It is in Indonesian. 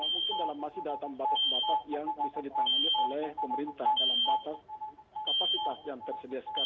mungkin masih datang batas batas yang bisa ditangani oleh pemerintah dalam batas kapasitas yang tersedia sekarang